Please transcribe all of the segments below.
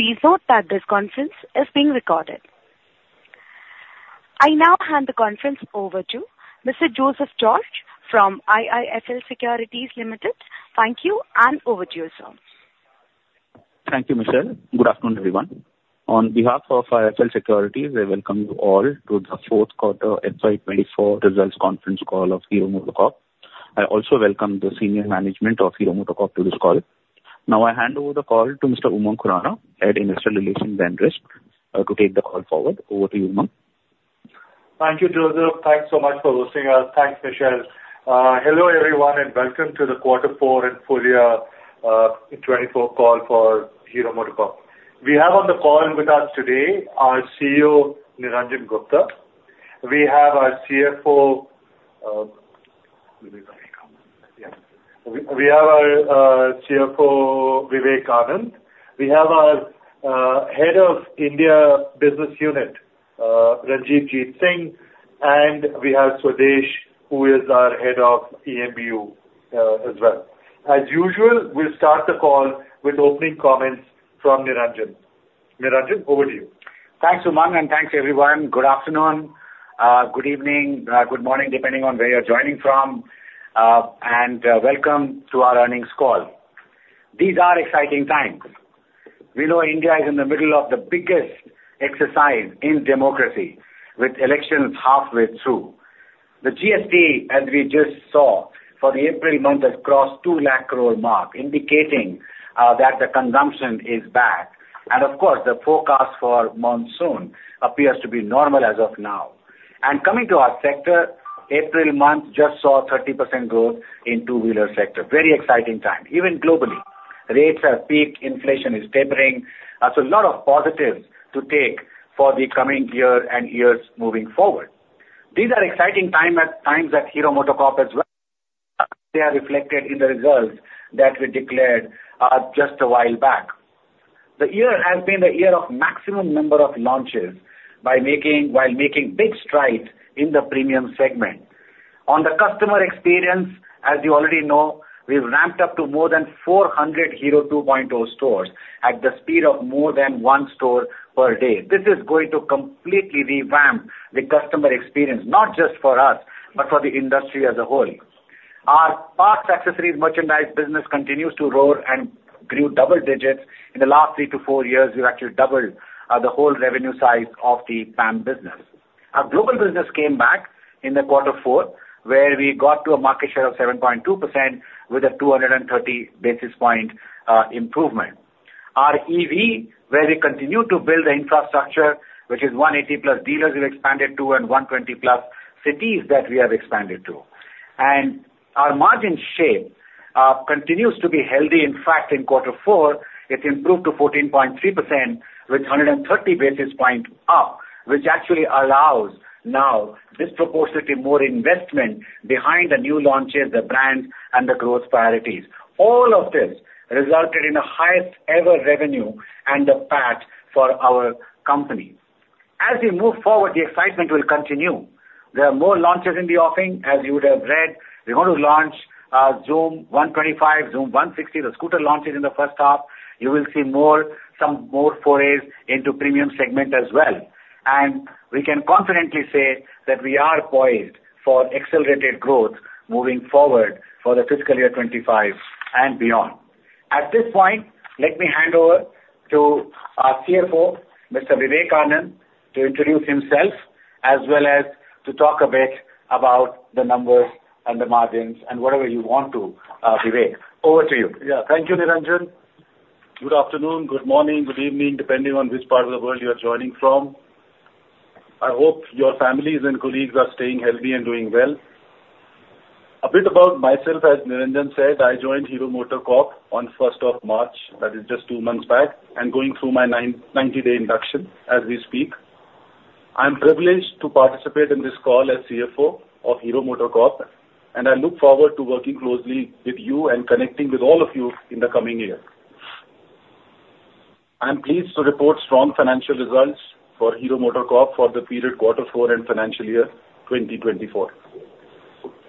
Please note that this conference is being recorded. I now hand the conference over to Mr. Joseph George from IIFL Securities Limited. Thank you, and over to you, sir. Thank you, Michelle. Good afternoon, everyone. On behalf of IIFL Securities, I welcome you all to the fourth quarter FY2024 results conference call of Hero MotoCorp. I also welcome the senior management of Hero MotoCorp to this call. Now I hand over the call to Mr. Umang Khurana, Head of Investor Relations and Risk, to take the call forward. Over to you, Umang. Thank you, Joseph. Thanks so much for hosting us. Thanks, Michelle. Hello everyone, and welcome to the quarter four and full year 2024 call for Hero MotoCorp. We have on the call with us today our CEO, Niranjan Gupta. We have our CFO Vivek Anand. We have our CFO, Vivek Anand. We have our head of India business unit, Ranjivjit Singh, and we have Swadesh, who is our head of EMBU as well. As usual, we'll start the call with opening comments from Niranjan. Niranjan, over to you. Thanks, Umang, and thanks everyone. Good afternoon, good evening, good morning, depending on where you're joining from, and welcome to our earnings call. These are exciting times. We know India is in the middle of the biggest exercise in democracy, with elections halfway through. The GST, as we just saw for the April month, has crossed 200,000 crore mark, indicating that the consumption is back. And of course, the forecast for monsoon appears to be normal as of now. And coming to our sector, April month just saw 30% growth in two-wheeler sector. Very exciting time, even globally. Rates have peaked, inflation is tapering. So a lot of positives to take for the coming year and years moving forward. These are exciting times at Hero MotoCorp as well. They are reflected in the results that we declared just a while back. The year has been the year of maximum number of launches while making big strides in the premium segment. On the customer experience, as you already know, we've ramped up to more than 400 Hero 2.0 stores at the speed of more than one store per day. This is going to completely revamp the customer experience, not just for us, but for the industry as a whole. Our Parts, Accessories, and Merchandise business continues to roar and grew double digits. In the last three-four years, we've actually doubled the whole revenue size of the PAM business. Our global business came back in the quarter four, where we got to a market share of 7.2% with a 230 basis point improvement. Our EV, where we continue to build the infrastructure, which is 180+ dealers, we've expanded to, and 120+ cities that we have expanded to. And our margin shape continues to be healthy. In fact, in quarter four, it improved to 14.3% with 130 basis points up, which actually allows now disproportionately more investment behind the new launches, the brands, and the growth priorities. All of this resulted in the highest ever revenue and the PAT for our company. As we move forward, the excitement will continue. There are more launches in the offering, as you would have read. We're going to launch Xoom 125, Xoom 160, the scooter launches in the first half. You will see some more forays into premium segment as well. And we can confidently say that we are poised for accelerated growth moving forward for the fiscal year 2025 and beyond. At this point, let me hand over to our CFO, Mr. Vivek Anand, to introduce himself as well as to talk a bit about the numbers and the margins and whatever you want to, Vivek. Over to you. Yeah. Thank you, Niranjan. Good afternoon, good morning, good evening, depending on which part of the world you're joining from. I hope your families and colleagues are staying healthy and doing well. A bit about myself, as Niranjan said, I joined Hero MotoCorp on 1st of March. That is just two months back, and going through my 90-day induction as we speak. I'm privileged to participate in this call as CFO of Hero MotoCorp, and I look forward to working closely with you and connecting with all of you in the coming year. I'm pleased to report strong financial results for Hero MotoCorp for the period quarter four and financial year 2024.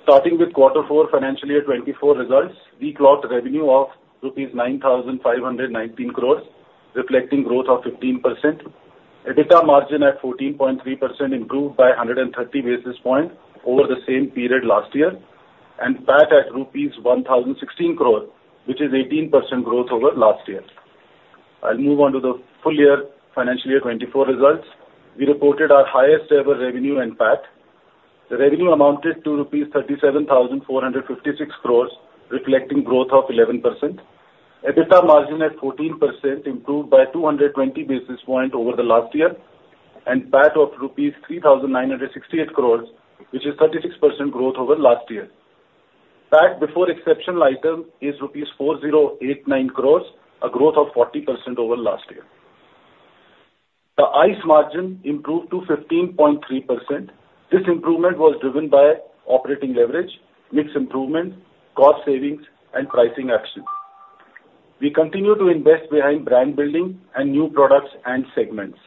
Starting with quarter four, financial year 2024 results, we clocked revenue of 9,519 crore rupees, reflecting growth of 15%, EBITDA margin at 14.3% improved by 130 basis points over the same period last year, and PAT at rupees 1,016 crore, which is 18% growth over last year. I'll move on to the full year, financial year 2024 results. We reported our highest ever revenue and PAT. The revenue amounted to rupees 37,456 crore, reflecting growth of 11%, EBITDA margin at 14% improved by 220 basis points over the last year, and PAT of rupees 3,968 crore, which is 36% growth over last year. PAT before exceptional item is rupees 4,089 crore, a growth of 40% over last year. The ICE margin improved to 15.3%. This improvement was driven by operating leverage, mixed improvements, cost savings, and pricing actions. We continue to invest behind brand building and new products and segments.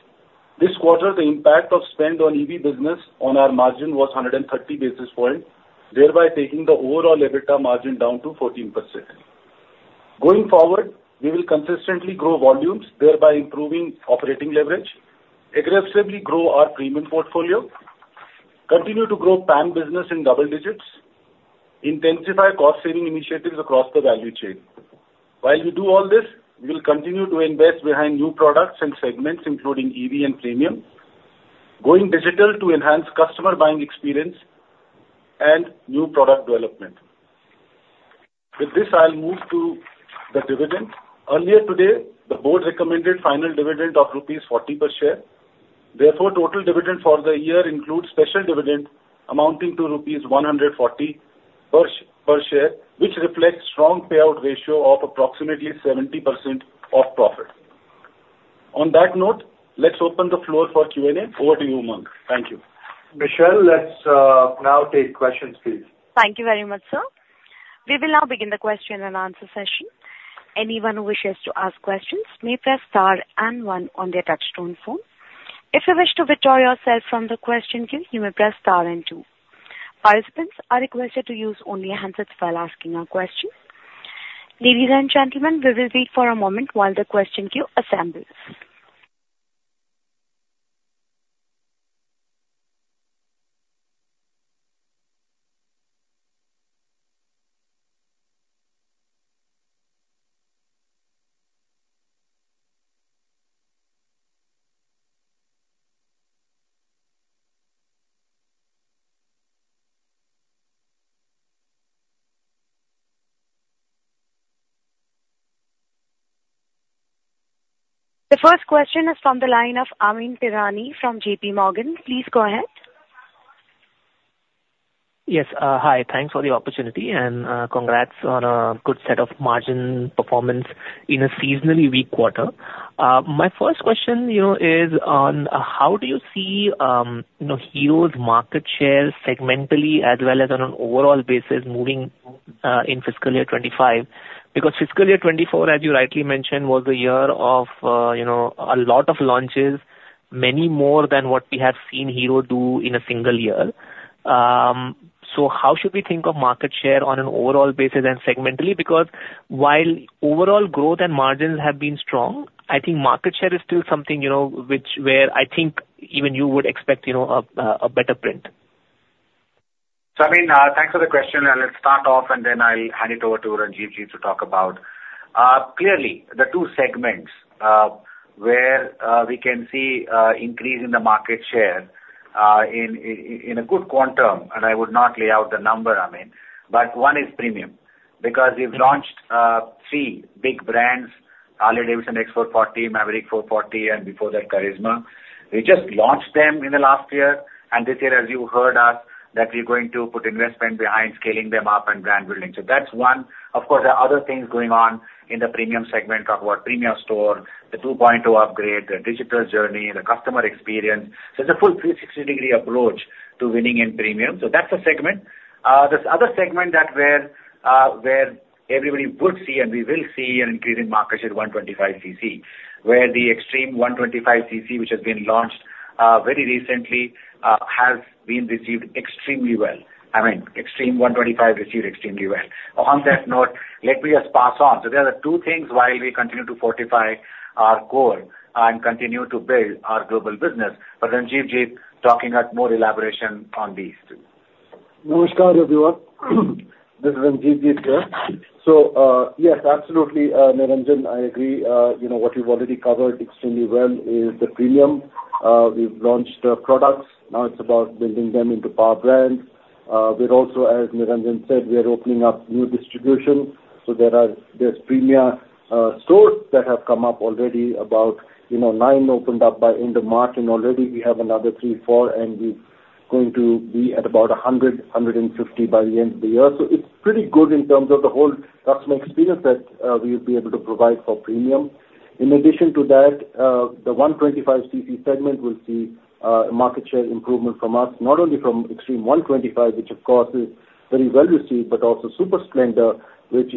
This quarter, the impact of spend on EV business on our margin was 130 basis point, thereby taking the overall EBITDA margin down to 14%. Going forward, we will consistently grow volumes, thereby improving operating leverage, aggressively grow our premium portfolio, continue to grow PAM business in double digits, intensify cost saving initiatives across the value chain. While we do all this, we will continue to invest behind new products and segments, including EV and premium, going digital to enhance customer buying experience, and new product development. With this, I'll move to the dividend. Earlier today, the board recommended final dividend of rupees 40 per share. Therefore, total dividend for the year includes special dividend amounting to rupees 140 per share, which reflects strong payout ratio of approximately 70% of profit. On that note, let's open the floor for Q&A. Over to you, Umang. Thank you. Michelle, let's now take questions, please. Thank you very much, sir. We will now begin the question and answer session. Anyone who wishes to ask questions may press star and one on their touch-tone phone. If you wish to withdraw yourself from the question queue, you may press star and two. Participants are requested to use only the handset while asking a question. Ladies and gentlemen, we will wait for a moment while the question queue assembles. The first question is from the line of Amyn Pirani from JPMorgan. Please go ahead. Yes. Hi. Thanks for the opportunity, and congrats on a good set of margin performance in a seasonally weak quarter. My first question is on how do you see Hero's market share segmentally as well as on an overall basis moving in fiscal year 2025? Because fiscal year 2024, as you rightly mentioned, was the year of a lot of launches, many more than what we have seen Hero do in a single year. So how should we think of market share on an overall basis and segmentally? Because while overall growth and margins have been strong, I think market share is still something where I think even you would expect a better print. So I mean, thanks for the question. Let's start off, and then I'll hand it over to Ranjivjit to talk about. Clearly, the two segments where we can see an increase in the market share in a good quantum and I would not lay out the number, Amyn, but one is premium. Because we've launched three big brands: Harley-Davidson X440, Mavrick 440, and before that, Karizma. We just launched them in the last year. This year, as you heard us, that we're going to put investment behind scaling them up and brand building. So that's one. Of course, there are other things going on in the premium segment. Talk about premium store, the 2.0 upgrade, the digital journey, the customer experience. So it's a full 360-degree approach to winning in premium. So that's a segment. The other segment where everybody would see and we will see an increase in market share is 125cc, where the Xtreme 125cc, which has been launched very recently, has been received extremely well. I mean, Xtreme 125 received extremely well. On that note, let me just pass on. So there are two things while we continue to fortify our core and continue to build our global business. But Ranjivjit talking about more elaboration on these two. Namaskar, everyone. This is Ranjivjit here. Yes, absolutely, Niranjan, I agree. What you've already covered extremely well is the premium. We've launched products. Now it's about building them into power brands. We're also, as Niranjan said, opening up new distribution. So there's premium stores that have come up already. About nine opened up by end of March, and already we have another three, four, and we're going to be at about 100, 150 by the end of the year. So it's pretty good in terms of the whole customer experience that we'll be able to provide for premium. In addition to that, the 125cc segment will see market share improvement from us, not only from Xtreme 125, which of course is very well received, but also Super Splendor, which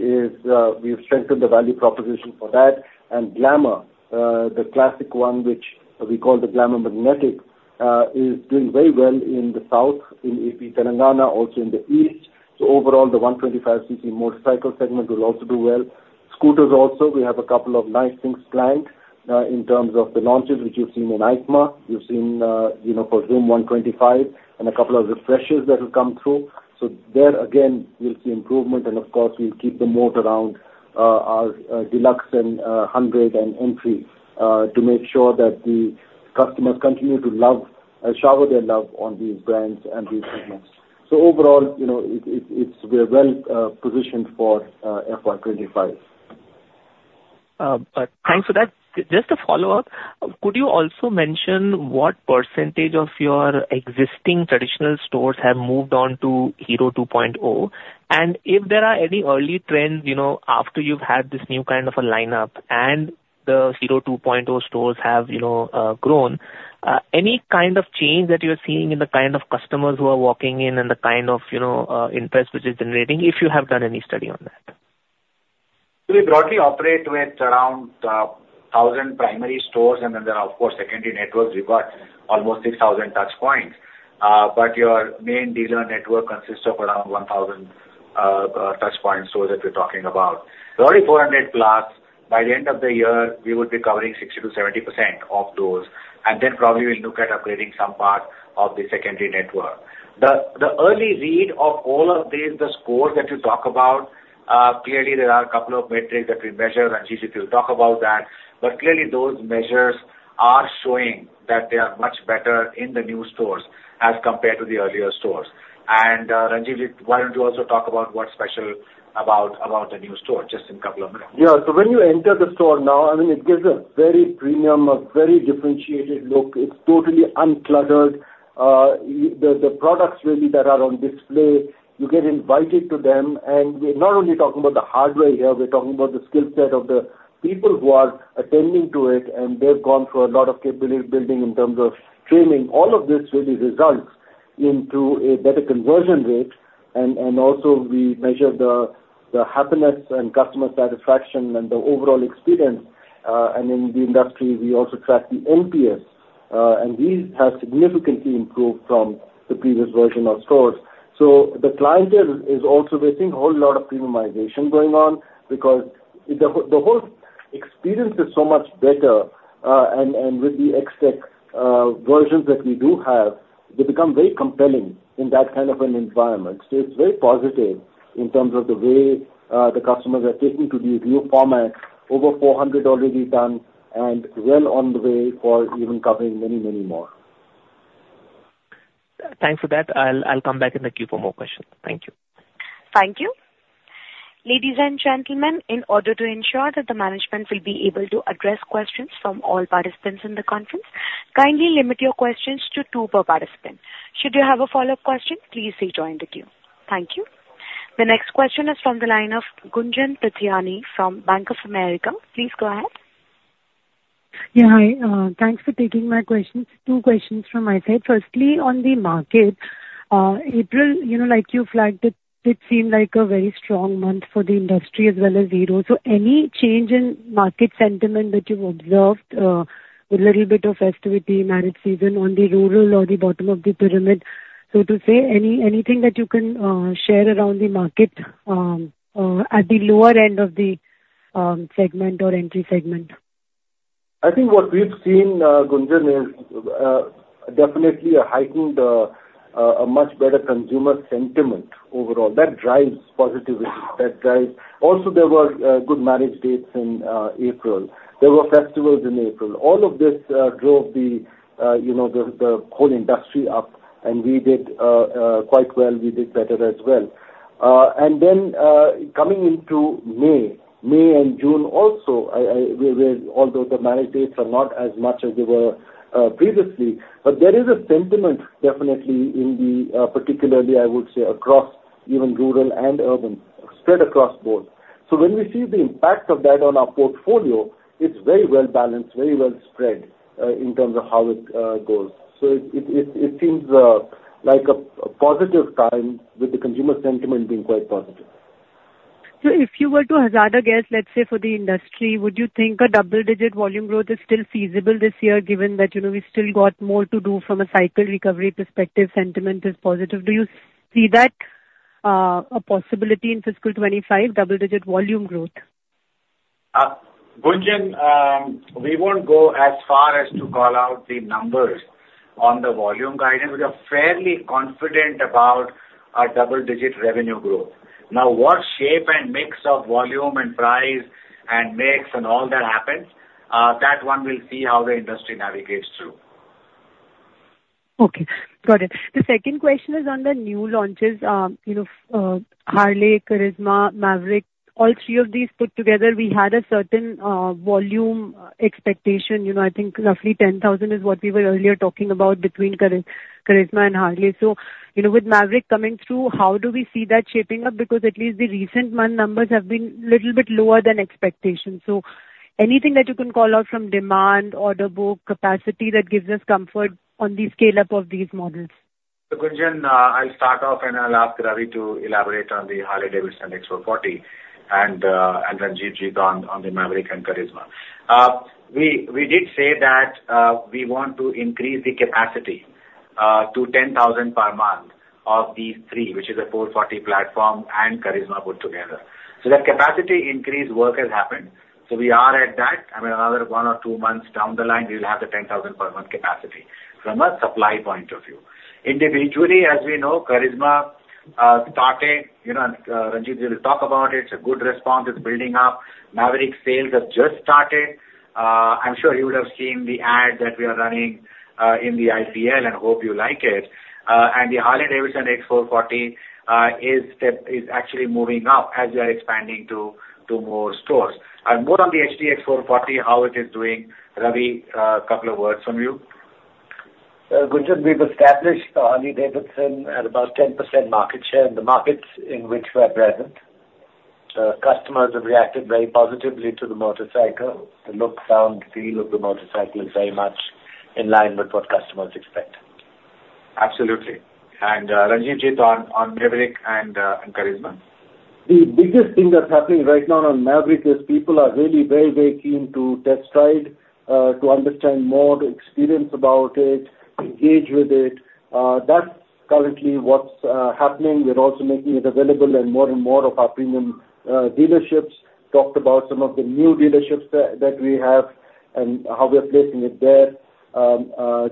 we've strengthened the value proposition for that. And Glamour, the classic one, which wecall the Glamour XTEC, is doing very well in the south, in AP Telangana, also in the east. So overall, the 125cc motorcycle segment will also do well. Scooters also, we have a couple of nice things planned in terms of the launches, which you've seen in EICMA. You've seen for Xoom 125 and a couple of refreshes that will come through. So there, again, we'll see improvement. And of course, we'll keep the moat around our deluxe and 100 and entry to make sure that the customers continue to shower their love on these brands and these segments. So overall, we're well positioned for FY25. Thanks for that. Just to follow up, could you also mention what percentage of your existing traditional stores have moved on to Hero 2.0? And if there are any early trends after you've had this new kind of a lineup and the Hero 2.0 stores have grown, any kind of change that you're seeing in the kind of customers who are walking in and the kind of interest which is generating, if you have done any study on that? We broadly operate with around 1,000 primary stores, and then there are, of course, secondary networks. We've got almost 6,000 touchpoints. But your main dealer network consists of around 1,000 touchpoints stores that we're talking about. Probably 400+. By the end of the year, we would be covering 60%-70% of those. And then probably we'll look at upgrading some part of the secondary network. The early read of all of these, the scores that you talk about, clearly, there are a couple of metrics that we measure. Ranjivjit, you'll talk about that. But clearly, those measures are showing that they are much better in the new stores as compared to the earlier stores. And Ranjivjit, why don't you also talk about what's special about the new store just in a couple of minutes? Yeah. So when you enter the store now, I mean, it gives a very premium, a very differentiated look. It's totally uncluttered. The products, really, that are on display, you get invited to them. And we're not only talking about the hardware here. We're talking about the skill set of the people who are attending to it, and they've gone through a lot of capability building in terms of training. All of this, really, results into a better conversion rate. And also, we measure the happiness and customer satisfaction and the overall experience. And in the industry, we also track the NPS. And these have significantly improved from the previous version of stores. So the clientele is also we're seeing a whole lot of premiumization going on because the whole experience is so much better. And with the XTEC versions that we do have, they become very compelling in that kind of an environment. So it's very positive in terms of the way the customers are taking to these new formats, over 400 already done, and well on the way for even covering many, many more. Thanks for that. I'll come back in the queue for more questions. Thank you. Thank you. Ladies and gentlemen, in order to ensure that the management will be able to address questions from all participants in the conference, kindly limit your questions to two per participant. Should you have a follow-up question, please rejoin the queue. Thank you. The next question is from the line of Gunjan Prithyani from Bank of America. Please go ahead. Yeah. Hi. Thanks for taking my questions. Two questions from my side. Firstly, on the market, April, like you flagged, it seemed like a very strong month for the industry as well as Hero. So any change in market sentiment that you've observed with a little bit of festivity, marriage season on the rural or the bottom of the pyramid, so to say, anything that you can share around the market at the lower end of the segment or entry segment? I think what we've seen, Gunjan, is definitely a heightened, a much better consumer sentiment overall. That drives positivity. Also, there were good marriage dates in April. There were festivals in April. All of this drove the whole industry up. We did quite well. We did better as well. Then coming into May, May and June also, although the marriage dates are not as much as they were previously, but there is a sentiment definitely in particular, I would say, across even rural and urban, spread across both. So when we see the impact of that on our portfolio, it's very well balanced, very well spread in terms of how it goes. So it seems like a positive time with the consumer sentiment being quite positive. If you were to hazard a guess, let's say, for the industry, would you think a double-digit volume growth is still feasible this year given that we still got more to do from a cycle recovery perspective? Sentiment is positive. Do you see that a possibility in fiscal 2025, double-digit volume growth? Gunjan, we won't go as far as to call out the numbers on the volume guidance. We are fairly confident about our double-digit revenue growth. Now, what shape and mix of volume and price and mix and all that happens, that one we'll see how the industry navigates through. Okay. Got it. The second question is on the new launches: Harley, Karizma, Mavrick. All three of these put together, we had a certain volume expectation. I think roughly 10,000 is what we were earlier talking about between Karizma and Harley. So with Mavrick coming through, how do we see that shaping up? Because at least the recent month numbers have been a little bit lower than expectations. So anything that you can call out from demand, order book, capacity that gives us comfort on the scale-up of these models? So Gunjan, I'll start off, and I'll ask Ravi to elaborate on the Harley-Davidson X440 and Ranjivjit on the Mavrick and Karizma. We did say that we want to increase the capacity to 10,000 per month of these three, which is a 440 platform and Karizma put together. So that capacity increase work has happened. So we are at that. I mean, another one or two months down the line, we will have the 10,000 per month capacity from a supply point of view. Individually, as we know, Karizma started Ranjivjit will talk about it. It's a good response. It's building up. Mavrick sales have just started. I'm sure you would have seen the ad that we are running in the IPL and hope you like it. And the Harley-Davidson X440 is actually moving up as we are expanding to more stores. More on the HD X440, how it is doing. Ravi, a couple of words from you. Gunjan, we've established Harley-Davidson at about 10% market share in the markets in which we are present. Customers have reacted very positively to the motorcycle. The look, sound, feel of the motorcycle is very much in line with what customers expect. Absolutely. And Ranjivjit, on Maverick and Karizma? The biggest thing that's happening right now on Mavrick is people are really very, very keen to test ride, to understand more, to experience about it, engage with it. That's currently what's happening. We're also making it available in more and more of our premium dealerships. Talked about some of the new dealerships that we have and how we are placing it there,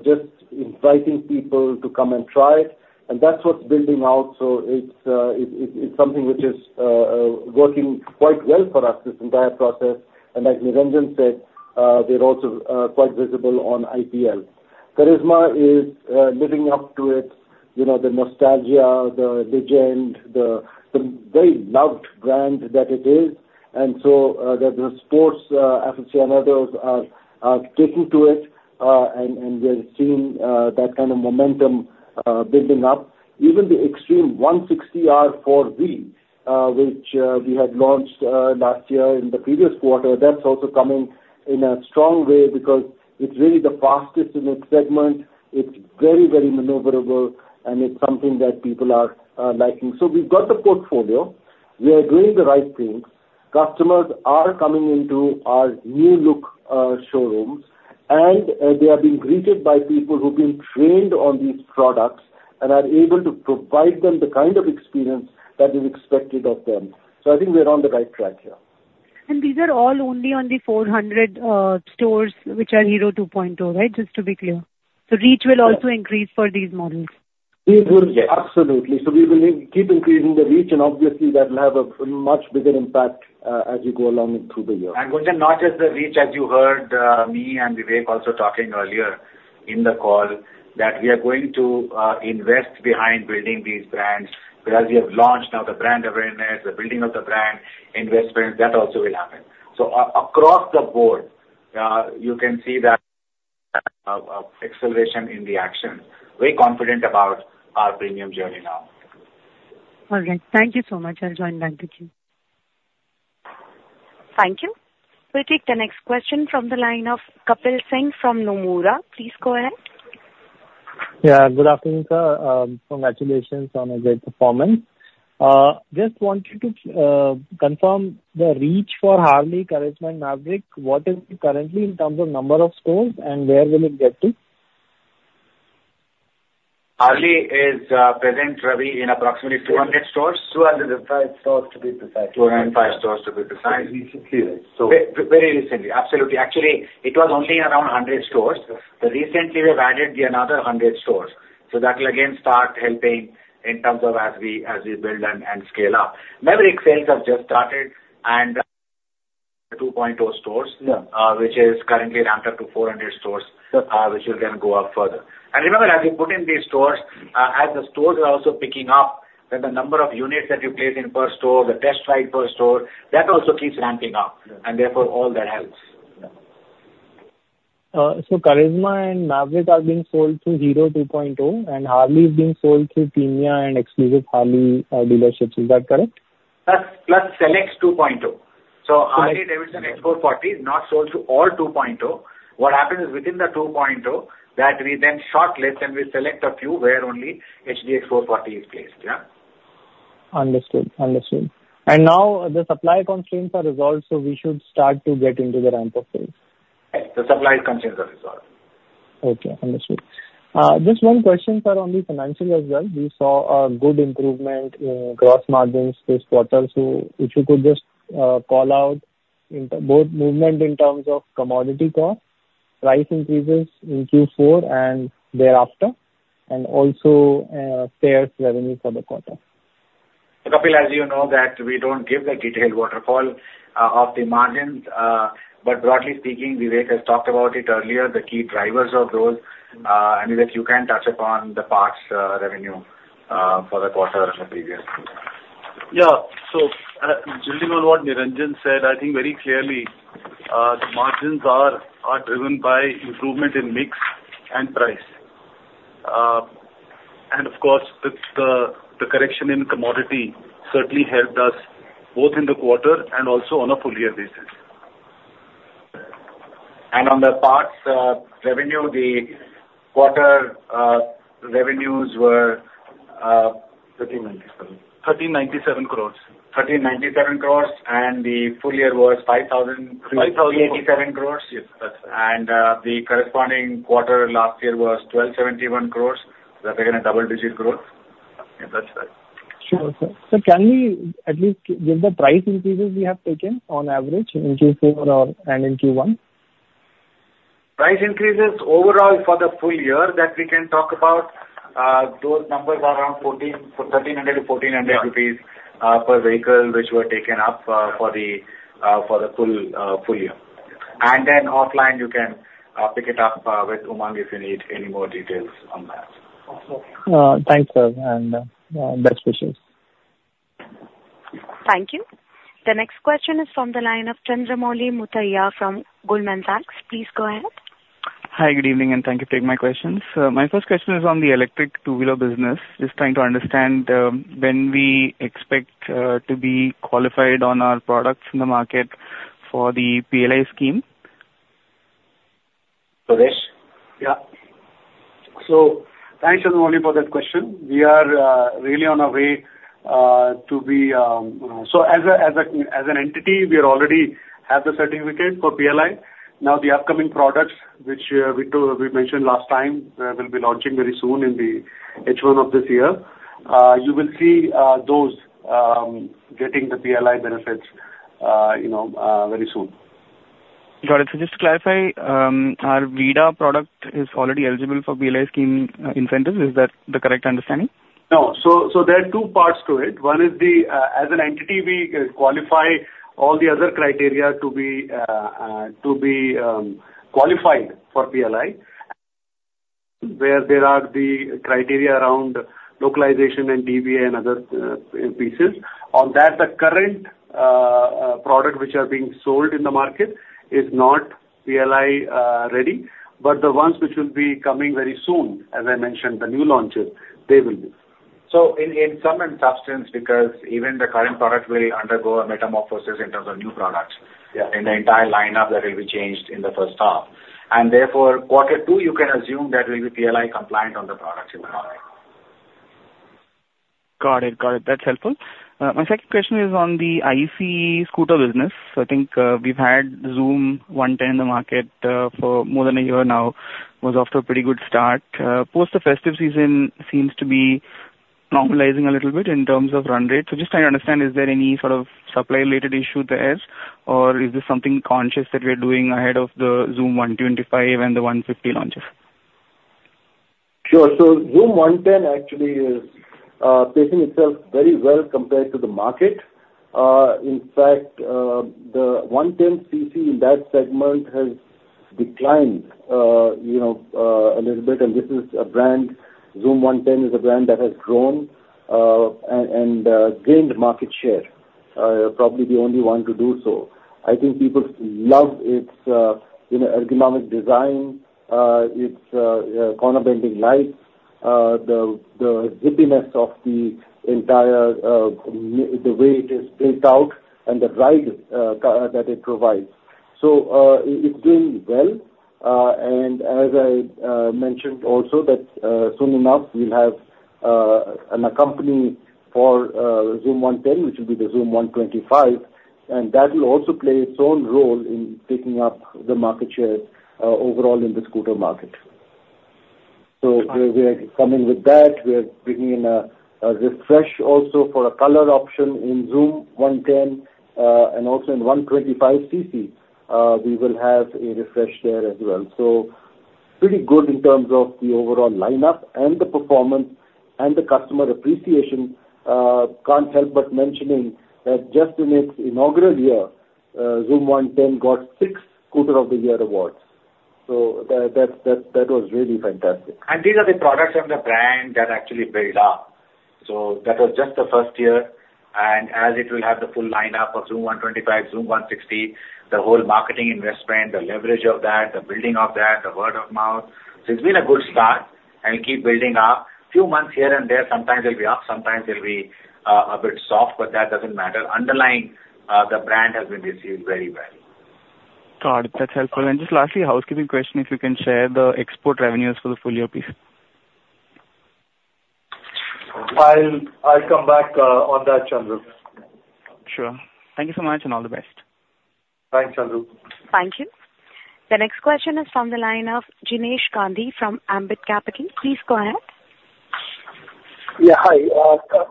just inviting people to come and try it. That's what's building out. It's something which is working quite well for us, this entire process. As Niranjan said, we're also quite visible on IPL. Karizma is living up to its nostalgia, the legend, the very loved brand that it is. The sports aficionados are taking to it, and we're seeing that kind of momentum building up. Even the Xtreme 160R 4V, which we had launched last year in the previous quarter, that's also coming in a strong way because it's really the fastest in its segment. It's very, very maneuverable, and it's something that people are liking. So we've got the portfolio. We are doing the right things. Customers are coming into our new-look showrooms, and they are being greeted by people who've been trained on these products and are able to provide them the kind of experience that is expected of them. So I think we're on the right track here. These are all only on the 400 stores which are Hero 2.0, right? Just to be clear. So reach will also increase for these models. It will, yes. Absolutely. So we will keep increasing the reach, and obviously, that will have a much bigger impact as you go along through the year. And Gunjan, not just the reach, as you heard me and Vivek also talking earlier in the call, that we are going to invest behind building these brands because we have launched now the brand awareness, the building of the brand, investments, that also will happen. So across the board, you can see that acceleration in the action. Very confident about our premium journey now. All right. Thank you so much. I'll join back with you. Thank you. We'll take the next question from the line of Kapil Singh from Nomura. Please go ahead. Yeah. Good afternoon, sir. Congratulations on a great performance. Just wanted to confirm the reach for Harley, Karizma, and Mavrick. What is it currently in terms of number of stores and where will it get to? Harley is present, Ravi, in approximately 200 stores. 205 stores to be precise. 205 stores to be precise. 205, recently. Very recently. Absolutely. Actually, it was only around 100 stores. Recently, we've added another 100 stores. So that will, again, start helping in terms of as we build and scale up. Mavrick sales have just started and 2.0 stores, which is currently ramped up to 400 stores, which will then go up further. And remember, as you put in these stores, as the stores are also picking up, then the number of units that you place in per store, the test ride per store, that also keeps ramping up. And therefore, all that helps. So Karizma and Mavrick are being sold through Hero 2.0, and Harley is being sold through premium and exclusive Harley dealerships. Is that correct? Plus Select 2.0. So Harley-Davidson X440 is not sold through all 2.0. What happens is within the 2.0, that we then shortlist and we select a few where only HD X440 is placed. Yeah? Understood. Understood. Now the supply constraints are resolved, so we should start to get into the ramp of sales. The supply constraints are resolved. Okay. Understood. Just one question, sir, on the financial as well. We saw a good improvement in gross margins this quarter. If you could just call out both movement in terms of commodity cost, price increases in Q4 and thereafter, and also sales revenue for the quarter? So Kapil, as you know, that we don't give the detailed waterfall of the margins. But broadly speaking, Vivek has talked about it earlier, the key drivers of those. And if you can touch upon the parts revenue for the quarter previous. Yeah. Building on what Niranjan said, I think very clearly, margins are driven by improvement in mix and price. Of course, the correction in commodity certainly helped us both in the quarter and also on a full-year basis. On the parts revenue, the quarter revenues were. 1397. crore. 1,397 crore, and the full year was 5,087 crore. 5,087. Yes. That's right. The corresponding quarter last year was 1,271 crores. That's again a double-digit growth. Yeah. That's right. Sure. So can we at least give the price increases we have taken on average in Q4 and in Q1? Price increases overall for the full year that we can talk about, those numbers are around 1,300-1,400 rupees per vehicle, which were taken up for the full year. Then offline, you can pick it up with Umang if you need any more details on that. Thanks, sir. Best wishes. Thank you. The next question is from the line of Chandramouli Muthiah from Goldman Sachs. Please go ahead. Hi. Good evening, and thank you for taking my questions. My first question is on the electric two-wheeler business. Just trying to understand when we expect to be qualified on our products in the market for the PLI scheme. Suresh? Yeah. So thanks, Chandramouli, for that question. We are really on our way to be so, as an entity, we already have the certificate for PLI. Now, the upcoming products, which we mentioned last time, we'll be launching very soon in the H1 of this year. You will see those getting the PLI benefits very soon. Got it. Just to clarify, our VIDA product is already eligible for PLI scheme incentives. Is that the correct understanding? No. So there are two parts to it. One is as an entity, we qualify all the other criteria to be qualified for PLI, where there are the criteria around localization and BOM and other pieces. On that, the current products which are being sold in the market is not PLI-ready. But the ones which will be coming very soon, as I mentioned, the new launches, they will be. So in some substance, because even the current product will undergo a metamorphosis in terms of new products, and the entire lineup that will be changed in the first half. Therefore, quarter two, you can assume that we'll be PLI-compliant on the products in the market. Got it. Got it. That's helpful. My second question is on the ICE scooter business. I think we've had Xoom 110 in the market for more than a year now. Was off to a pretty good start. Post the festive season seems to be normalizing a little bit in terms of run rate. Just trying to understand, is there any sort of supply-related issue there, or is this something conscious that we're doing ahead of the Xoom 125 and the 160 launches? Sure. So Xoom 110 actually is pacing itself very well compared to the market. In fact, the 110cc in that segment has declined a little bit. And this is a brand Xoom 110 is a brand that has grown and gained market share, probably the only one to do so. I think people love its ergonomic design, its corner-bending lights, the zippiness of the entire way it is built out, and the ride that it provides. So it's doing well. And as I mentioned also, that soon enough, we'll have an accompaniment for Xoom 110, which will be the Xoom 125. And that will also play its own role in picking up the market share overall in the scooter market. So we're coming with that. We're bringing in a refresh also for a color option in Xoom 110. Also in 125cc, we will have a refresh there as well. Pretty good in terms of the overall lineup and the performance and the customer appreciation. Can't help but mentioning that just in its inaugural year, Xoom 110 got six Scooter of the Year awards. That was really fantastic. These are the products from the brand that actually built up. That was just the first year. As it will have the full lineup of Xoom 125, Xoom 160, the whole marketing investment, the leverage of that, the building of that, the word-of-mouth, so it's been a good start and will keep building up. A few months here and there, sometimes it'll be up, sometimes it'll be a bit soft, but that doesn't matter. Underlying, the brand has been received very well. Got it. That's helpful. And just lastly, housekeeping question, if you can share the export revenues for the full-year piece? I'll come back on that, Chandramouli. Sure. Thank you so much, and all the best. Thanks, Chandramouli. Thank you. The next question is from the line of Jinesh Gandhi from Ambit Capital. Please go ahead. Yeah. Hi.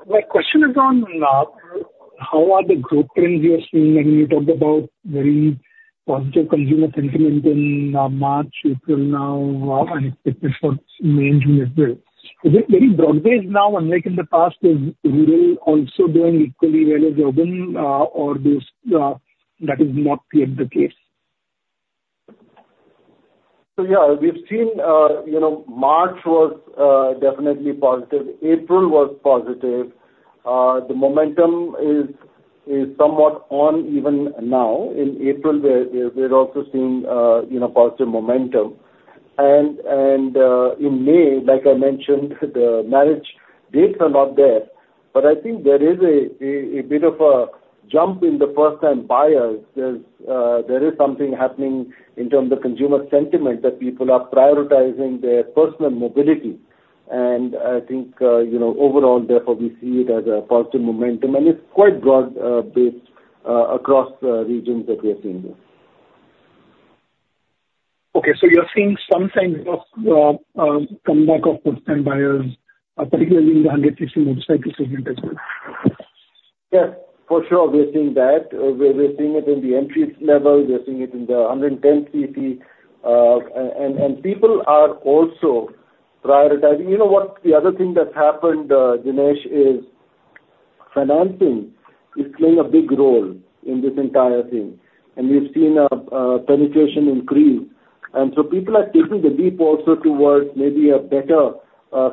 My question is, how are the growth prints you're seeing? I mean, you talked about very positive consumer sentiment in March, April now, and expectations for May and June as well. Is it very broad-based now, unlike in the past, with rural also doing equally well as urban, or that is not yet the case? So yeah, we've seen March was definitely positive. April was positive. The momentum is somewhat uneven now. In April, we're also seeing positive momentum. And in May, like I mentioned, the marriage dates are not there. But I think there is a bit of a jump in the first-time buyers. There is something happening in terms of consumer sentiment that people are prioritizing their personal mobility. And I think overall, therefore, we see it as a positive momentum. And it's quite broad-based across regions that we are seeing this. Okay. So you're seeing some signs of comeback of first-time buyers, particularly in the 100cc motorcycle segment as well? Yes. For sure, we're seeing that. We're seeing it in the entry level. We're seeing it in the 110cc. And people are also prioritizing. You know what? The other thing that's happened, Jinesh, is financing is playing a big role in this entire thing. And we've seen a penetration increase. And so people are taking the leap also towards maybe a better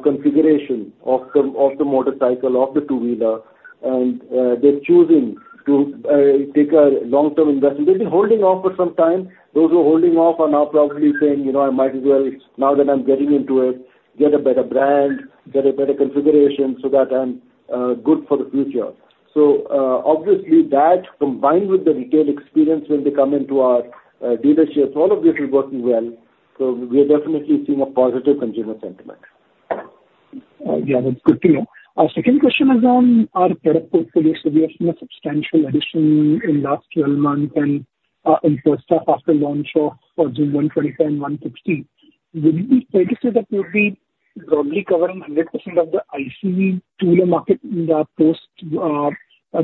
configuration of the motorcycle, of the two-wheeler. And they're choosing to take a long-term investment. They've been holding off for some time. Those who are holding off are now probably saying, "I might as well, now that I'm getting into it, get a better brand, get a better configuration so that I'm good for the future." So obviously, that combined with the retail experience when they come into our dealerships, all of this is working well. So we are definitely seeing a positive consumer sentiment. Yeah. That's good to know. Our second question is on our product portfolio. So we have seen a substantial addition in the last 12 months and in first half after launch of Xoom 125 and 160. Would it be fair to say that we'll be broadly covering 100% of the ICE two-wheeler market in the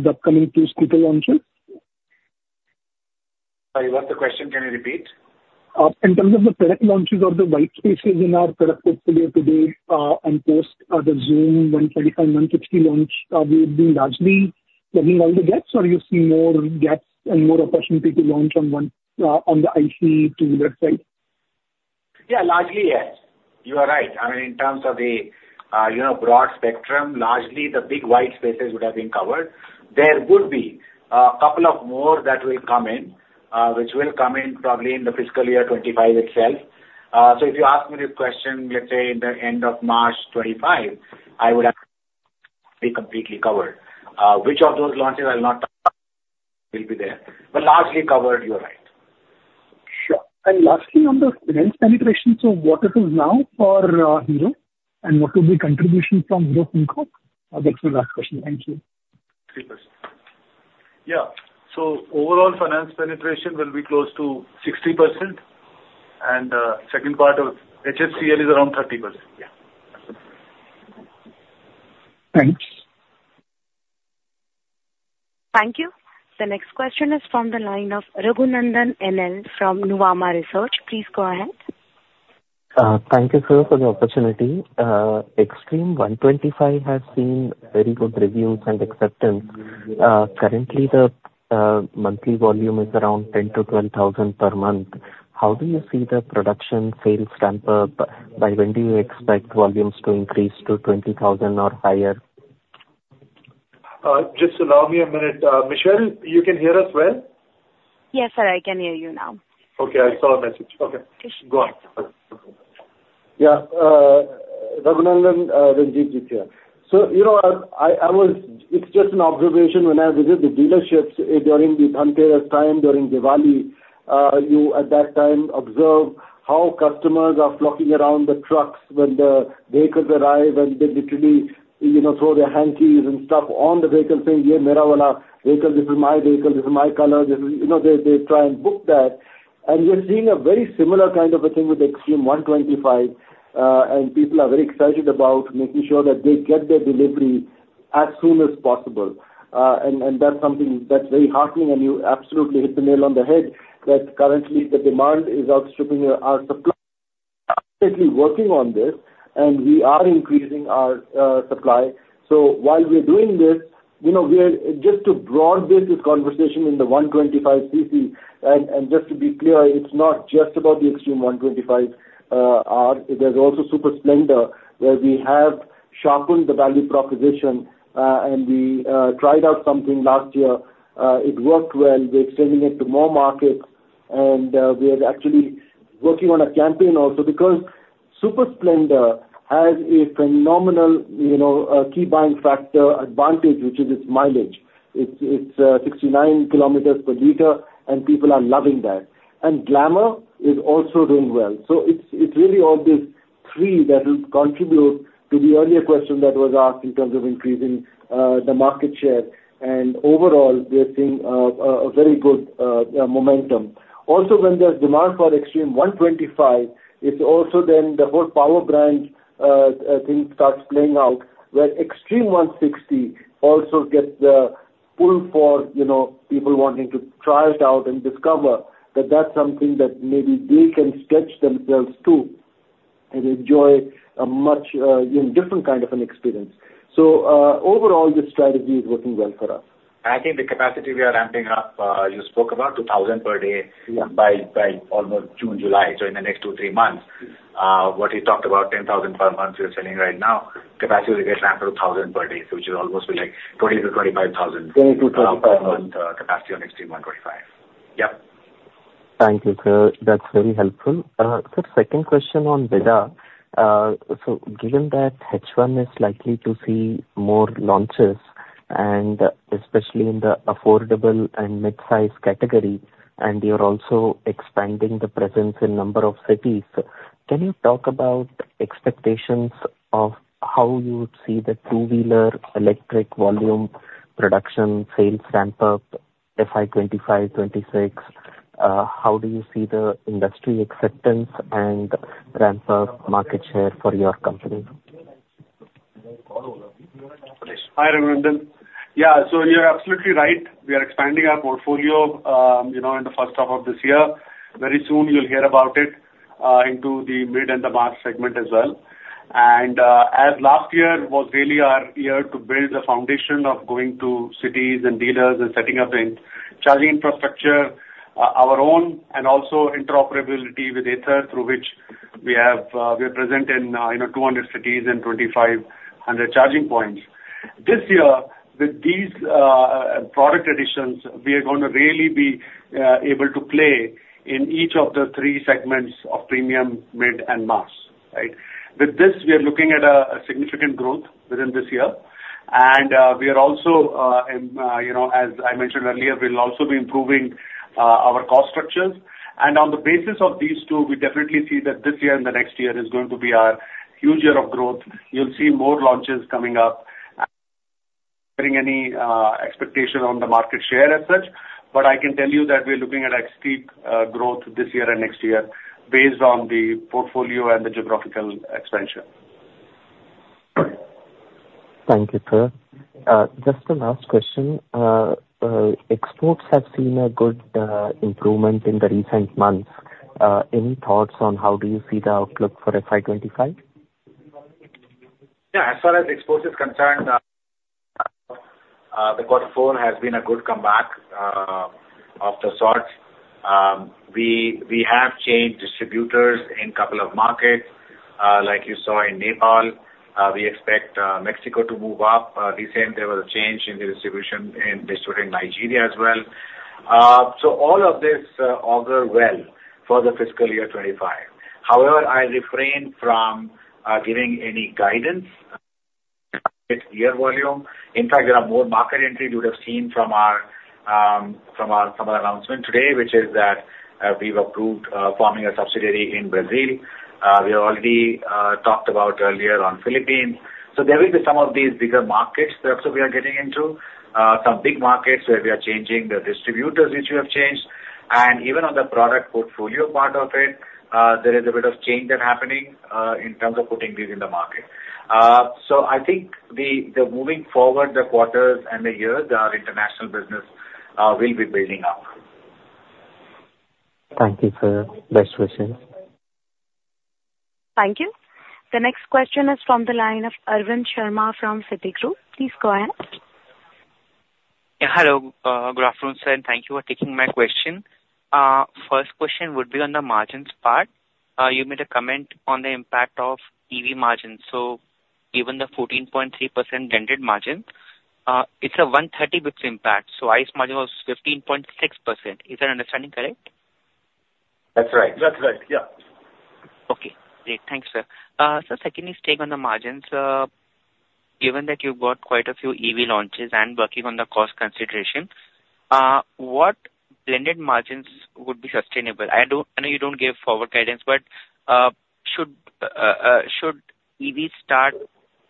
upcoming two scooter launches? Sorry. What's the question? Can you repeat? In terms of the product launches or the white spaces in our product portfolio today and post the Xoom 125 and 160 launch, we'll be largely plugging all the gaps, or you see more gaps and more opportunity to launch on the ICE two-wheeler side? Yeah. Largely, yes. You are right. I mean, in terms of the broad spectrum, largely, the big white spaces would have been covered. There would be a couple of more that will come in, which will come in probably in the fiscal year 2025 itself. So if you ask me this question, let's say in the end of March 2025, I would be completely covered. Which of those launches I'll not talk about will be there? But largely covered, you're right. Sure. Lastly, on the rental penetration, so what it is now for Hero and what will be contribution from Hero FinCorp? That's my last question. Thank you. 3%. Yeah. Overall, finance penetration will be close to 60%. The second part of HFCL is around 30%. Yeah. That's it. Thanks. Thank you. The next question is from the line of Raghunandan NL from Nuvama Research. Please go ahead. Thank you, sir, for the opportunity. Xtreme 125R has seen very good reviews and acceptance. Currently, the monthly volume is around 10,000-12,000 per month. How do you see the production sales ramp up? By when do you expect volumes to increase to 20,000 or higher? Just allow me a minute. Michelle, you can hear us well? Yes, sir. I can hear you now. Okay. I saw a message. Okay. Go on. Yeah. Ranjivjit here. So it's just an observation. When I visited the dealerships during the Dhanteras time, during Diwali, you at that time observe how customers are flocking around the trucks when the vehicles arrive, and they literally throw their hankies and stuff on the vehicle, saying, "Yeah, mera wala vehicle. This is my vehicle. This is my color. This is" they try and book that. We're seeing a very similar kind of a thing with Xtreme 125R. People are very excited about making sure that they get their delivery as soon as possible. That's something that's very heartening. You absolutely hit the nail on the head that currently, the demand is outstripping our supply. We're absolutely working on this, and we are increasing our supply. So while we're doing this, just to broaden this conversation in the 125cc, and just to be clear, it's not just about the Xtreme 125R. There's also Super Splendor, where we have sharpened the value proposition. We tried out something last year. It worked well. We're extending it to more markets. We are actually working on a campaign also because Super Splendor has a phenomenal key buying factor advantage, which is its mileage. It's 69 km per liter, and people are loving that. Glamour is also doing well. It's really all these three that will contribute to the earlier question that was asked in terms of increasing the market share. Overall, we're seeing a very good momentum. Also, when there's demand for Xtreme 125, it's also then the whole power brand thing starts playing out, where Xtreme 160 also gets the pull for people wanting to try it out and discover that that's something that maybe they can stretch themselves to and enjoy a much different kind of an experience. Overall, this strategy is working well for us. I think the capacity we are ramping up, you spoke about 2,000 per day by almost June, July, so in the next two or three months. What you talked about, 10,000 per month, we're selling right now. Capacity will get ramped to 1,000 per day, which will almost be like 20,000-25,000 per month capacity on Xtreme 125R. Yep. Thank you, sir. That's very helpful. Sir, second question on VIDA. So given that H1 is likely to see more launches, and especially in the affordable and midsize category, and you're also expanding the presence in number of cities, can you talk about expectations of how you would see the two-wheeler electric volume production sales ramp up FY25, 26? How do you see the industry acceptance and ramp-up market share for your company? Hi, Raghunandan. Yeah. So you're absolutely right. We are expanding our portfolio in the first half of this year. Very soon, you'll hear about it into the mid and the mass segment as well. And as last year was really our year to build the foundation of going to cities and dealers and setting up the charging infrastructure, our own, and also interoperability with Ather through which we are present in 200 cities and 2,500 charging points. This year, with these product additions, we are going to really be able to play in each of the three segments of premium, mid, and mass, right? With this, we are looking at a significant growth within this year. And we are also, as I mentioned earlier, we'll also be improving our cost structures. On the basis of these two, we definitely see that this year and the next year is going to be our huge year of growth. You'll see more launches coming up. I'm not sharing any expectation on the market share as such. I can tell you that we're looking at a steep growth this year and next year based on the portfolio and the geographical expansion. Thank you, sir. Just one last question. Exports have seen a good improvement in the recent months. Any thoughts on how do you see the outlook for FY25? Yeah. As far as exports is concerned, the Q4 has been a good comeback of the sort. We have changed distributors in a couple of markets, like you saw in Nepal. We expect Mexico to move up. Recently, there was a change in the distribution in Nigeria as well. So all of this augur well for the fiscal year 2025. However, I refrain from giving any guidance on year volume. In fact, there are more market entries you would have seen from some of the announcements today, which is that we've approved forming a subsidiary in Brazil. We already talked about earlier on Philippines. So there will be some of these bigger markets that we are getting into, some big markets where we are changing the distributors, which we have changed. Even on the product portfolio part of it, there is a bit of change that's happening in terms of putting these in the market. I think moving forward, the quarters and the years, our international business will be building up. Thank you, sir. Best wishes. Thank you. The next question is from the line of Arvind Sharma from Citigroup. Please go ahead. Yeah. Hello, Good Afternoon Sir, Thank you for taking my question. First question would be on the margins part. You made a comment on the impact of EV margins. So given the 14.3% dented margin, it's a 130 basis points impact. So ICE margin was 15.6%. Is that understanding correct? That's right. That's right. Yeah. Okay. Great. Thanks, sir. Sir, secondly staying on the margins, given that you've got quite a few EV launches and working on the cost consideration, what blended margins would be sustainable? I know you don't give forward guidance, but should EVs start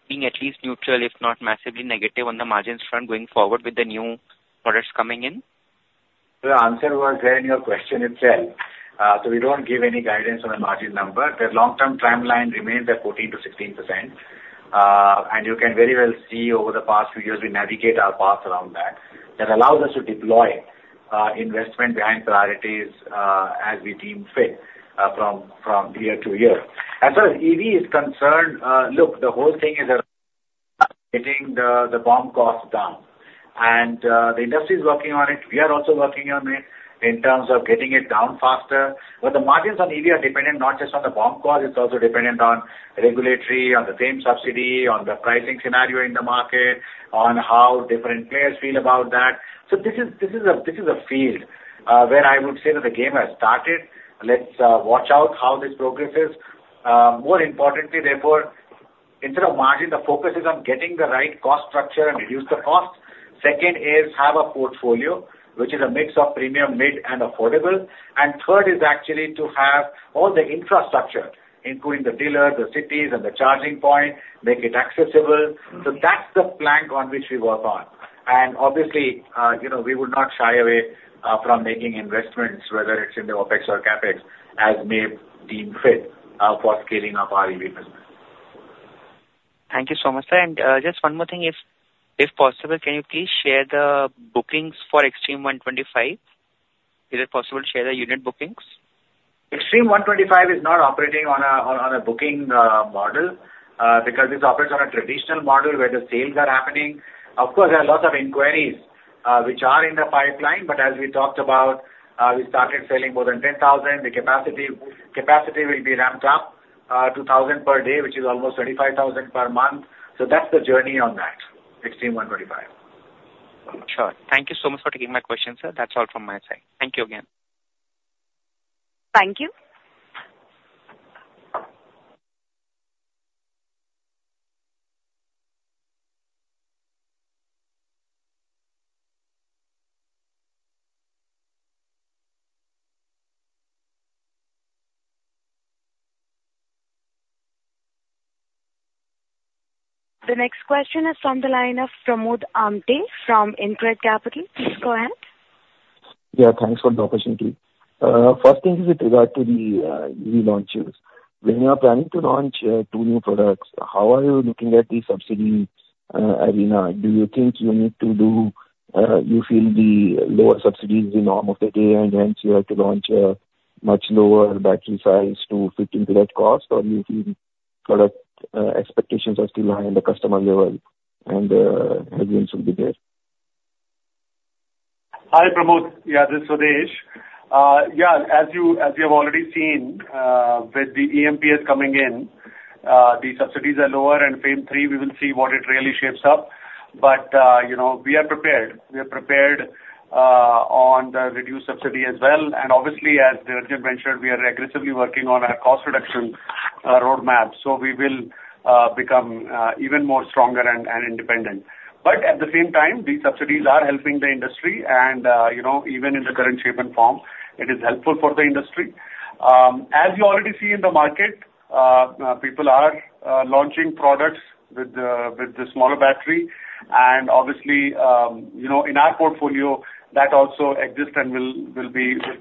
being at least neutral, if not massively negative, on the margins front going forward with the new products coming in? The answer was there in your question itself. So we don't give any guidance on the margin number. The long-term timeline remains at 14%-16%. And you can very well see over the past few years, we navigate our path around that. That allows us to deploy investment behind priorities as we deem fit from year to year. As far as EV is concerned, look, the whole thing is about getting the BOM cost down. And the industry is working on it. We are also working on it in terms of getting it down faster. But the margins on EV are dependent not just on the BOM cost. It's also dependent on regulatory, on the same subsidy, on the pricing scenario in the market, on how different players feel about that. So this is a field where I would say that the game has started. Let's watch out how this progresses. More importantly, therefore, instead of margin, the focus is on getting the right cost structure and reduce the cost. Second is have a portfolio, which is a mix of premium, mid, and affordable. And third is actually to have all the infrastructure, including the dealers, the cities, and the charging point, make it accessible. So that's the plank on which we work on. And obviously, we would not shy away from making investments, whether it's in the OPEX or CAPEX, as may deem fit for scaling up our EV business. Thank you so much, sir. Just one more thing. If possible, can you please share the bookings for Xtreme 125R? Is it possible to share the unit bookings? Xtreme 125R is not operating on a booking model because this operates on a traditional model where the sales are happening. Of course, there are lots of inquiries which are in the pipeline. But as we talked about, we started selling more than 10,000. The capacity will be ramped up to 1,000 per day, which is almost 25,000 per month. So that's the journey on that Xtreme 125R. Sure. Thank you so much for taking my question, sir. That's all from my side. Thank you again. Thank you. The next question is from the line of Pramod Amthe from InCred Capital. Please go ahead. Yeah. Thanks for the opportunity. First thing is with regard to the EV launches. When you are planning to launch two new products, how are you looking at the subsidy arena? Do you think you need to do you feel the lower subsidies in the norm of the day, and hence you have to launch a much lower battery size to fit into that cost, or do you feel product expectations are still high on the customer level and hesitance will be there? Hi, Pramod. Yeah. This is Suresh. Yeah. As you have already seen, with the EMPS coming in, the subsidies are lower. And phase III, we will see what it really shapes up. But we are prepared. We are prepared on the reduced subsidy as well. And obviously, as the EV venture, we are aggressively working on our cost reduction roadmap. So we will become even more stronger and independent. But at the same time, these subsidies are helping the industry. And even in the current shape and form, it is helpful for the industry. As you already see in the market, people are launching products with the smaller battery. And obviously, in our portfolio, that also exists and will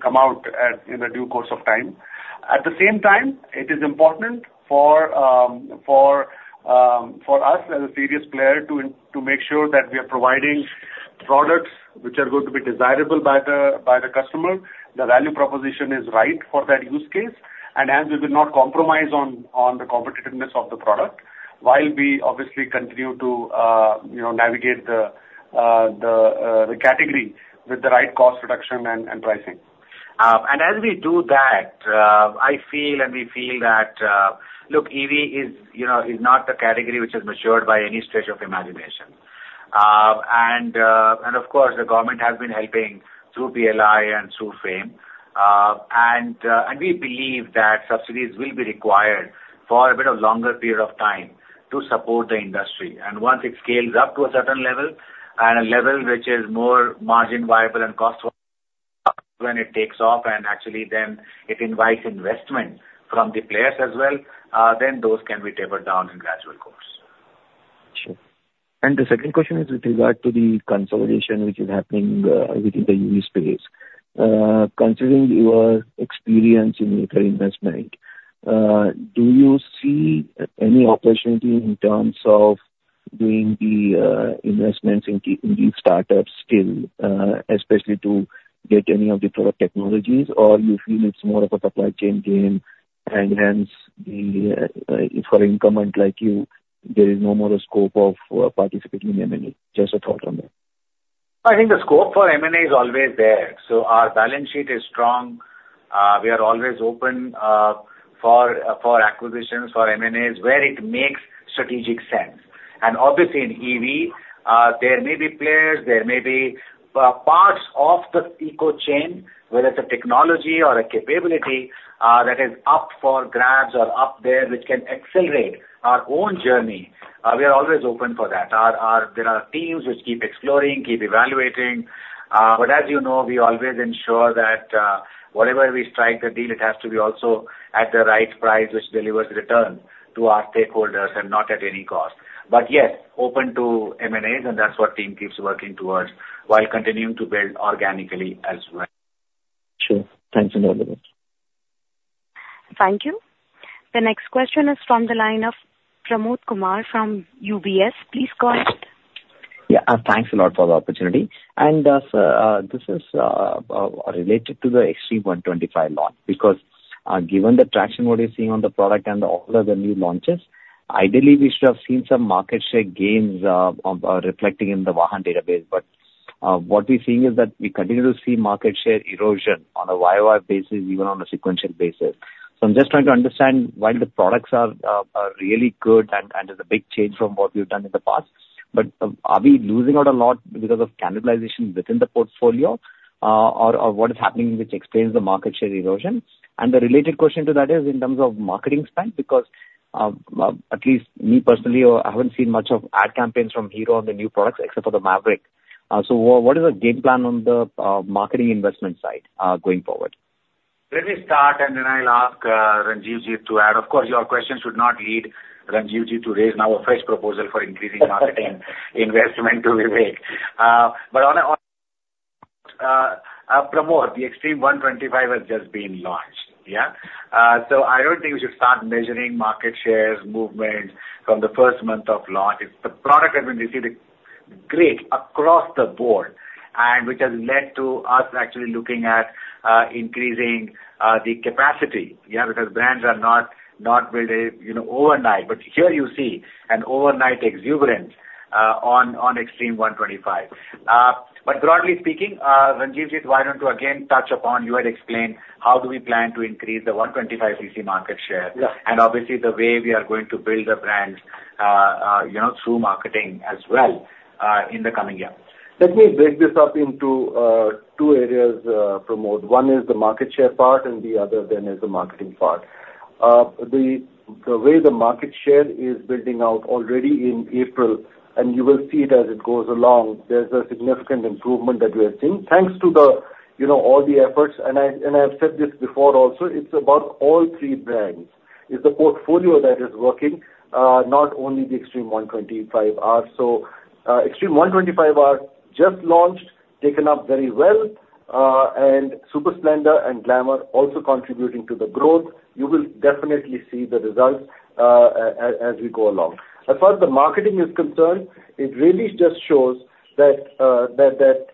come out in the due course of time. At the same time, it is important for us as a serious player to make sure that we are providing products which are going to be desirable by the customer, the value proposition is right for that use case, and as we will not compromise on the competitiveness of the product while we obviously continue to navigate the category with the right cost reduction and pricing. And as we do that, I feel and we feel that, look, EV is not a category which is matured by any stretch of imagination. And of course, the government has been helping through PLI and through FAME. And we believe that subsidies will be required for a bit of longer period of time to support the industry. And once it scales up to a certain level and a level which is more margin viable and cost-effective when it takes off, and actually then it invites investment from the players as well, then those can be tapered down in gradual course. Sure. The second question is with regard to the consolidation which is happening within the EV space. Considering your experience in Ather investment, do you see any opportunity in terms of doing the investments in these startups still, especially to get any of the product technologies, or you feel it's more of a supply chain game, and hence for incumbent like you, there is no more scope of participating in M&A? Just a thought on that. I think the scope for M&A is always there. So our balance sheet is strong. We are always open for acquisitions for M&As where it makes strategic sense. And obviously, in EV, there may be players. There may be parts of the ecochain, whether it's a technology or a capability, that is up for grabs or up there which can accelerate our own journey. We are always open for that. There are teams which keep exploring, keep evaluating. But as you know, we always ensure that whatever we strike the deal, it has to be also at the right price which delivers return to our stakeholders and not at any cost. But yes, open to M&As. And that's what the team keeps working towards while continuing to build organically as well. Sure. Thanks a lot. Thank you. The next question is from the line of Pramod Kumar from UBS. Please go ahead. Yeah. Thanks a lot for the opportunity. And sir, this is related to the Xtreme 125R launch because given the traction what you're seeing on the product and all of the new launches, ideally, we should have seen some market share gains reflecting in the VAHAN database. But what we're seeing is that we continue to see market share erosion on a YOY basis, even on a sequential basis. So I'm just trying to understand while the products are really good and there's a big change from what we've done in the past, but are we losing out a lot because of cannibalization within the portfolio, or what is happening which explains the market share erosion? And the related question to that is in terms of marketing spend because at least me personally, I haven't seen much of ad campaigns from Hero on the new products except for the Mavrick. So what is the game plan on the marketing investment side going forward? Let me start, and then I'll ask Ranjivjit to add. Of course, your question should not lead Ranjivjit to raise now a fresh proposal for increasing marketing investment to Vivek. But Pramod, the Xtreme 125R has just been launched, yeah? So I don't think we should start measuring market share movements from the first month of launch. The product has been received great across the board, which has led to us actually looking at increasing the capacity, yeah, because brands are not built overnight. But here you see an overnight exuberance on Xtreme 125R. But broadly speaking, Ranjivjit, why don't you again touch upon you had explained how do we plan to increase the 125cc market share and obviously the way we are going to build the brands through marketing as well in the coming year? Let me break this up into two areas, Pramod. One is the market share part, and the other then is the marketing part. The way the market share is building out already in April, and you will see it as it goes along, there's a significant improvement that we are seeing thanks to all the efforts. And I have said this before also. It's about all three brands. It's the portfolio that is working, not only the Xtreme 125R. So Xtreme 125R just launched, taken up very well, and Super Splendor and Glamour also contributing to the growth. You will definitely see the results as we go along. As far as the marketing is concerned, it really just shows that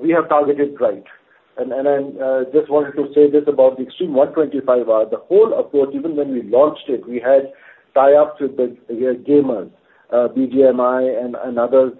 we have targeted right. And I just wanted to say this about the Xtreme 125R. The whole approach, even when we launched it, we had tie-ups with the gamers, BGMI and others.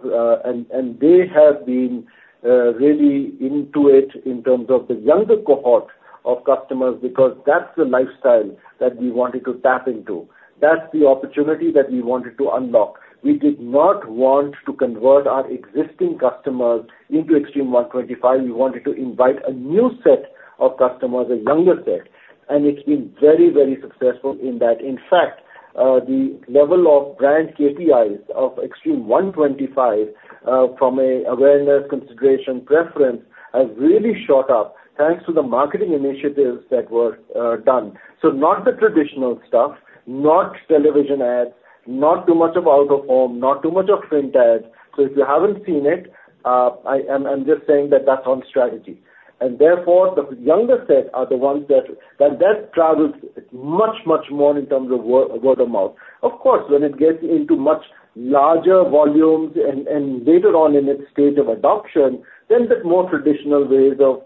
And they have been really into it in terms of the younger cohort of customers because that's the lifestyle that we wanted to tap into. That's the opportunity that we wanted to unlock. We did not want to convert our existing customers into Xtreme 125R. We wanted to invite a new set of customers, a younger set. And it's been very, very successful in that. In fact, the level of brand KPIs of Xtreme 125R from an awareness, consideration, preference has really shot up thanks to the marketing initiatives that were done. So not the traditional stuff, not television ads, not too much of out-of-home, not too much of print ads. So if you haven't seen it, I'm just saying that that's on strategy. And therefore, the younger set are the ones that travels much, much more in terms of word of mouth. Of course, when it gets into much larger volumes and later on in its state of adoption, then the more traditional ways of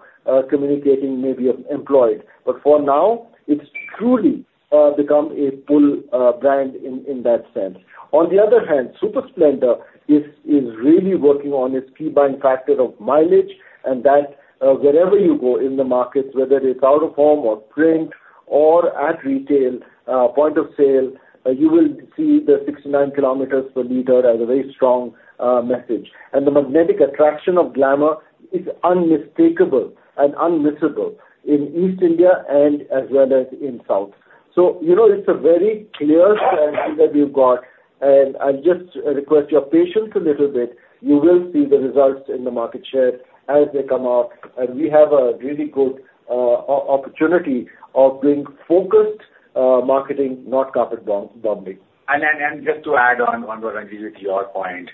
communicating may be employed. But for now, it's truly become a pull brand in that sense. On the other hand, Super Splendor is really working on its key buying factor of mileage. And that wherever you go in the markets, whether it's out-of-home or print or at retail, point of sale, you will see the 69 km per liter as a very strong message. And the magnetic attraction of Glamour is unmistakable and unmissable in East India and as well as in South. So it's a very clear strategy that we've got. And I'll just request your patience a little bit. You will see the results in the market share as they come out. We have a really good opportunity of doing focused marketing, not carpet bombing. And just to add on what Ranjivjit to your point,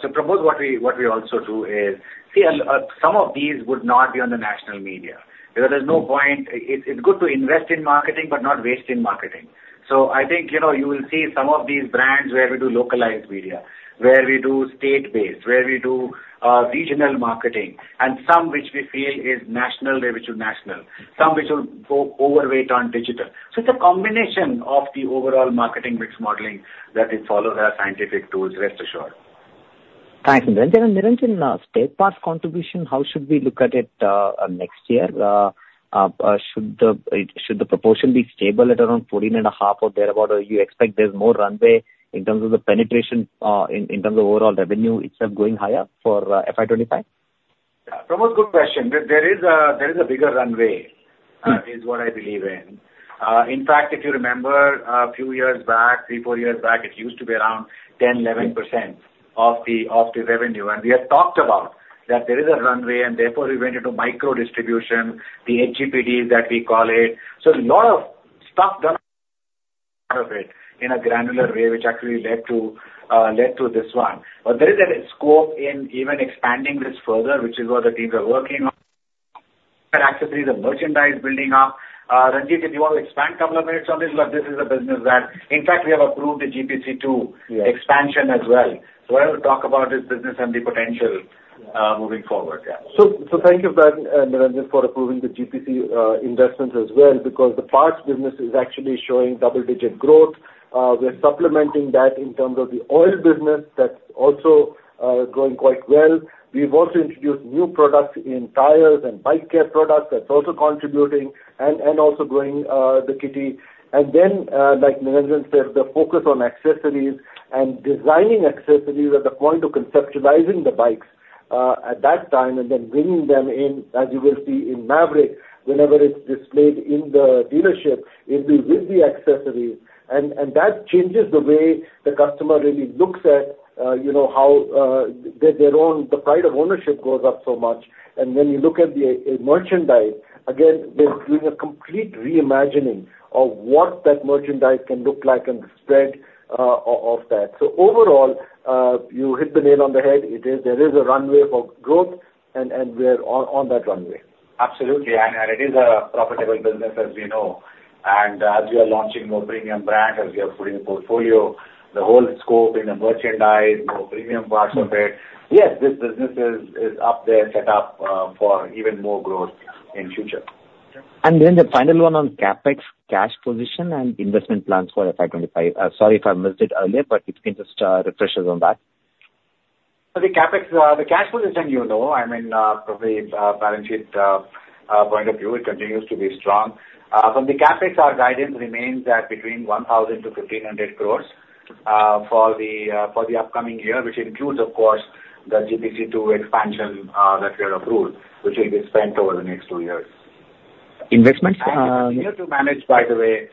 so Pramod, what we also do is see, some of these would not be on the national media because there's no point. It's good to invest in marketing but not waste in marketing. So I think you will see some of these brands where we do localized media, where we do state-based, where we do regional marketing, and some which we feel is national, they're which are national, some which will go overweight on digital. So it's a combination of the overall marketing mix modeling that it follows our scientific tools, rest assured. Thanks, Niranjan. Niranjan, spare parts' contribution, how should we look at it next year? Should the proportion be stable at around 14.5 or thereabouts? Or do you expect there's more runway in terms of the penetration, in terms of overall revenue itself going higher for FY25? Pramod, good question. There is a bigger runway is what I believe in. In fact, if you remember a few years back, 3, 4 years back, it used to be around 10%-11% of the revenue. And we had talked about that there is a runway, and therefore, we went into microdistribution, the HGPDs that we call it. So a lot of stuff done out of it in a granular way which actually led to this one. But there is a scope in even expanding this further, which is what the teams are working on, accessories, and merchandise building up. Ranjivjit, do you want to expand a couple of minutes on this? But this is a business that in fact, we have approved the GPC2 expansion as well. So I want to talk about this business and the potential moving forward, yeah. So thank you, Niranjan, for approving the GPC investments as well because the parts business is actually showing double-digit growth. We're supplementing that in terms of the oil business that's also growing quite well. We've also introduced new products in tires and bike care products that's also contributing and also growing the kitty. And then, like Niranjan said, the focus on accessories and designing accessories at the point of conceptualizing the bikes at that time and then bringing them in, as you will see in Mavrick, whenever it's displayed in the dealership, it'll be with the accessories. And that changes the way the customer really looks at how their own the pride of ownership goes up so much. And when you look at the merchandise, again, there's been a complete reimagining of what that merchandise can look like and the spread of that. Overall, you hit the nail on the head. There is a runway for growth, and we're on that runway. Absolutely. And it is a profitable business as we know. And as we are launching more premium brands, as we are putting a portfolio, the whole scope in the merchandise, more premium parts of it, yes, this business is up there, set up for even more growth in future. And then the final one on CapEx, cash position, and investment plans for FY25. Sorry if I missed it earlier, but if you can just refresh us on that. So the CapEx, the cash position you know, I mean, from the Ranjivjit point of view, it continues to be strong. From the CapEx, our guidance remains at between 1,000-1,500 crore for the upcoming year, which includes, of course, the GPC2 expansion that we have approved, which will be spent over the next two years. Investments? Yes. Need to manage, by the way.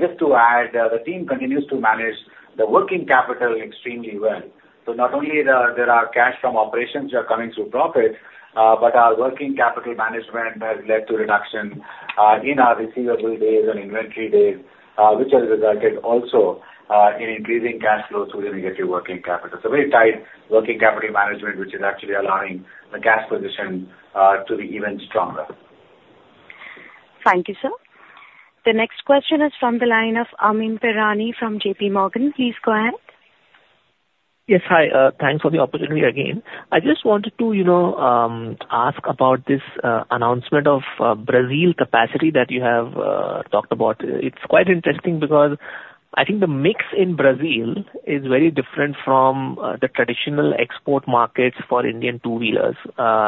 Just to add, the team continues to manage the working capital extremely well. So not only there are cash from operations that are coming through profits, but our working capital management has led to reduction in our receivable days and inventory days, which has resulted also in increasing cash flow through the negative working capital. So very tight working capital management, which is actually allowing the cash position to be even stronger. Thank you, sir. The next question is from the line of Amyn Pirani from JPMorgan. Please go ahead. Yes. Hi. Thanks for the opportunity again. I just wanted to ask about this announcement of Brazil capacity that you have talked about. It's quite interesting because I think the mix in Brazil is very different from the traditional export markets for Indian two-wheelers,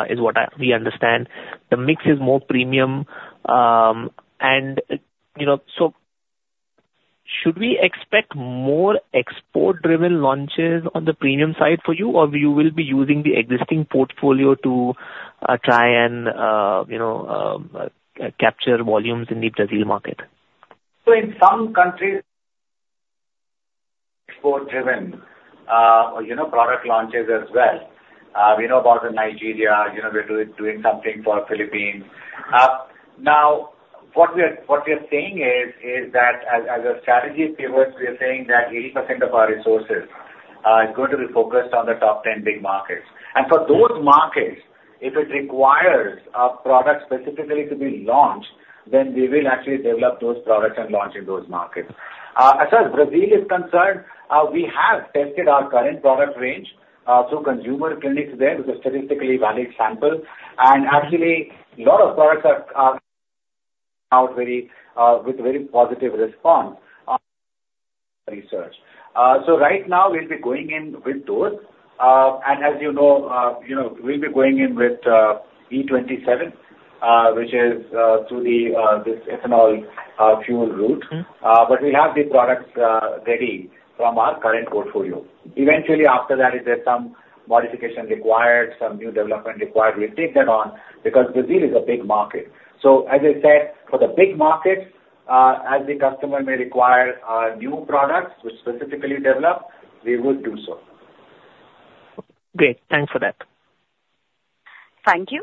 is what we understand. The mix is more premium. And so should we expect more export-driven launches on the premium side for you, or you will be using the existing portfolio to try and capture volumes in the Brazil market? So in some countries, export-driven product launches as well. We know about Nigeria. We're doing something for Philippines. Now, what we are saying is that as a strategy pivot, we are saying that 80% of our resources is going to be focused on the top 10 big markets. And for those markets, if it requires a product specifically to be launched, then we will actually develop those products and launch in those markets. As far as Brazil is concerned, we have tested our current product range through consumer clinics there with a statistically valid sample. And actually, a lot of products are coming out with very positive response on research. So right now, we'll be going in with those. And as you know, we'll be going in with E27, which is through this ethanol fuel route. But we have the products ready from our current portfolio. Eventually, after that, if there's some modification required, some new development required, we'll take that on because Brazil is a big market. So as I said, for the big markets, as the customer may require new products which specifically develop, we would do so. Great. Thanks for that. Thank you.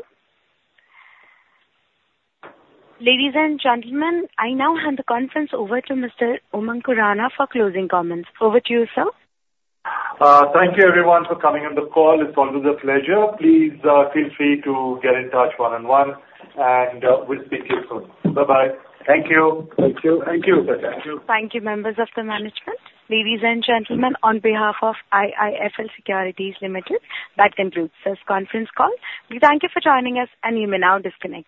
Ladies and gentlemen, I now hand the conference over to Mr. Umang Khurana for closing comments. Over to you, sir. Thank you, everyone, for coming on the call. It's always a pleasure. Please feel free to get in touch one-on-one, and we'll speak to you soon. Bye-bye. Thank you. Thank you. Thank you, sir. Thank you. Thank you, members of the management. Ladies and gentlemen, on behalf of IIFL Securities Limited, that concludes this conference call. We thank you for joining us, and you may now disconnect.